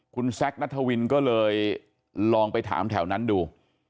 คุณแซคนัทวินก็เลยลองไปถามแถวนั้นดู